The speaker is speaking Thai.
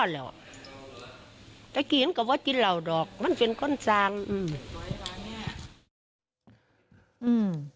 แต่กลับมากก็ว่ากินร่าวมันเป็นคนตรางอืม